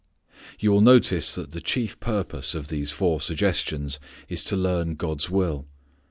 You will notice that the chief purpose of these four suggestions is to learn God's will.